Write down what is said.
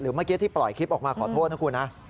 เมื่อกี้ที่ปล่อยคลิปออกมาขอโทษนะคุณนะ